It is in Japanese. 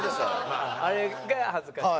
あれが恥ずかしい？